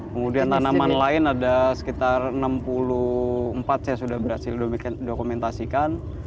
kemudian tanaman lain ada sekitar enam puluh empat saya sudah berhasil dokumentasikan